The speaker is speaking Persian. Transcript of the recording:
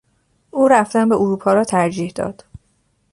او رفتن به اروپا را ترجیح داد.